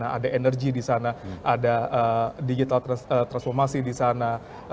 pak kita ada pangan di sana ada energi di sana ada digital transformasi di sana